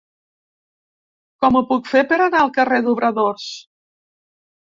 Com ho puc fer per anar al carrer d'Obradors?